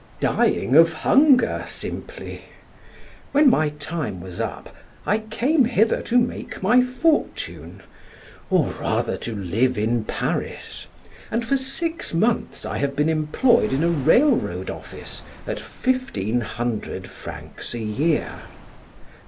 "Dying of hunger, simply. When my time was up, I came hither to make my fortune, or rather to live in Paris and for six months I have been employed in a railroad office at fifteen hundred francs a year."